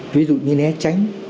ví dụ như né tránh